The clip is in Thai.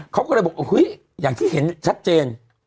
เขาก็เลยบอกเฮ้ยอย่างที่เห็นชัดเจน